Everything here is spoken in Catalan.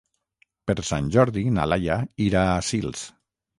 Per Sant Jordi na Laia irà a Sils.